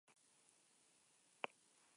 Erdialdean dago, Artzain Onaren plazan.